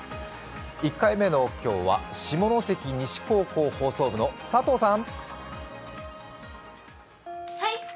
１回目の今日は下関西高校、放送部の佐藤さん。